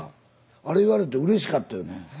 あれ言われてうれしかったよね。